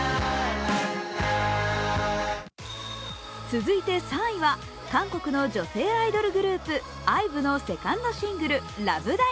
続いて３位は韓国の女性アイドルグループ、ＩＶＥのセカンドシングル「ＬＯＶＥＤＩＶＥ」。